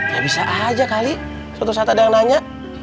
ya bisa aja kali suatu saat ada yang nanya